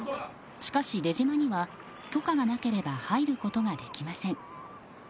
しかし出島には許可がなければ入ることができません。